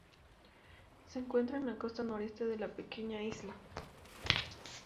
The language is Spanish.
Se encuentra en la costa noreste de la pequeña isla.